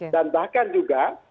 dan bahkan juga